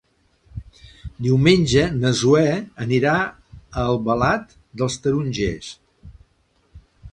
Diumenge na Zoè anirà a Albalat dels Tarongers.